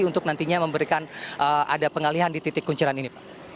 untuk nantinya memberikan ada pengalihan di titik kunciran ini pak